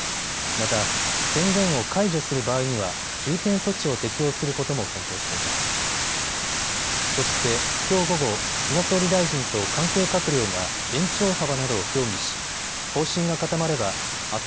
また、宣言を解除する場合には重点措置を適用することも検討しています。